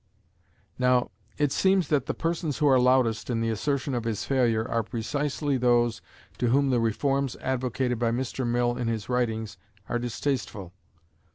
Now, it seems that the persons who are loudest in the assertion of his failure are precisely those to whom the reforms advocated by Mr. Mill in his writings are distasteful.